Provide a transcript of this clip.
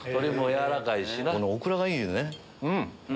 このオクラがいいよね。